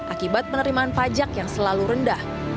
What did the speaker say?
akibat penerimaan pajak yang selalu rendah